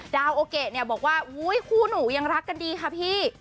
ดาวโอเกะเนี่ยบอกว่าอุ๊ยคู่หนูยังรักกันดีค่ะพี่